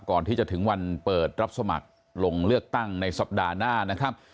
ก่อนที่จะถึงวันเปิดรับสมัครลงเลือกตั้งในสัปดาห์หน้านะครับ